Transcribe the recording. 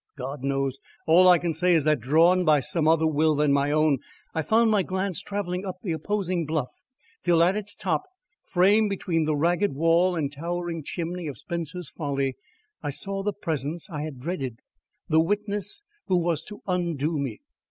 God knows; all I can say is that, drawn, by some other will than my own, I found my glance travelling up the opposing bluff till at its top, framed between the ragged wall and towering chimney of Spencer's Folly, I saw the presence I had dreaded, the witness who was to undo me.